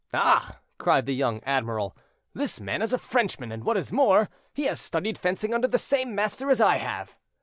"Ah!" cried the young admiral, "this man is a Frenchman, and what is more, he has studied fencing under the same master as I have."